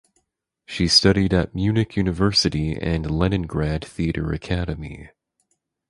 She studied at Munich University and Leningrad Theater Academy.